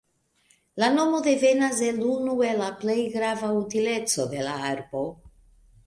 La nomo devenas el unu el la plej grava utileco de la arbo.